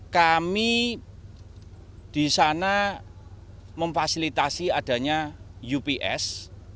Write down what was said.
kami di sana memfasilitasi adanya ups